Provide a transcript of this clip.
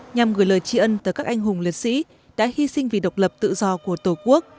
nhằm gửi lời tri ân tới các anh hùng liệt sĩ đã hy sinh vì độc lập tự do của tổ quốc